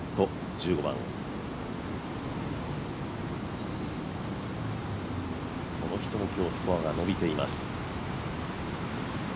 香妻、この人も今日、スコアが伸びています。